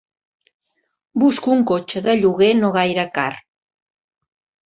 Busco un cotxe de lloguer no gaire car.